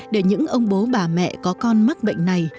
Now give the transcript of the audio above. để những ông bố bà mẹ có con mắc bệnh này